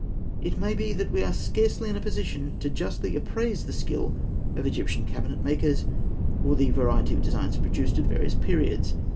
It may be that we are scarcely in a position justly to appraise the skill of Egyptian cabinet makers, or the variety of designs produced at various periods.